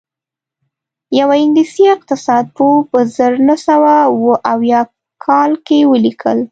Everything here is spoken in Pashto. یوه انګلیسي اقتصاد پوه په زر نه سوه اووه اویا کال کې ولیکل